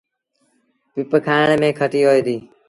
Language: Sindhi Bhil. پپ کآڻ ميݩ کٽيٚ هوئي ديٚ۔